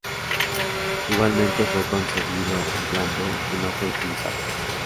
Igualmente fue concebido un Plan B, que no fue utilizado.